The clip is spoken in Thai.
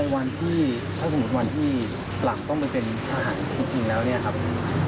วันที่ถ้าสมมุติวันที่หลังต้องไปเป็นทหารจริงแล้วเนี่ยครับ